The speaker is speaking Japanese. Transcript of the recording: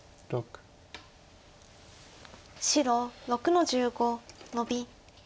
白６の十五ノビ。